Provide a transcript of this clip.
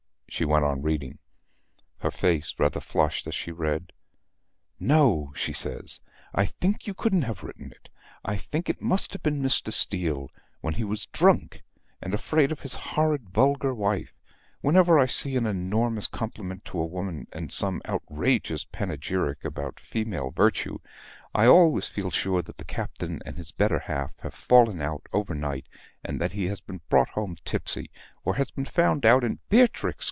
She went on reading: her face rather flushed as she read. "No," she says, "I think you couldn't have written it. I think it must have been Mr. Steele when he was drunk and afraid of his horrid vulgar wife. Whenever I see an enormous compliment to a woman, and some outrageous panegyric about female virtue, I always feel sure that the Captain and his better half have fallen out over night, and that he has been brought home tipsy, or has been found out in " "Beatrix!"